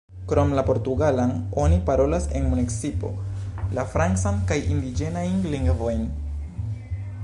Krom la portugalan, oni parolas en municipo la francan kaj indiĝenajn lingvojn.